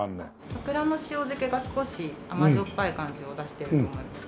桜の塩漬けが少し甘じょっぱい感じを出していると思います。